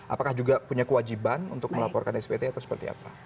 apakah juga punya kewajiban untuk melaporkan spt atau seperti apa